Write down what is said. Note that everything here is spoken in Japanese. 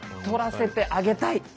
取らせてあげたい！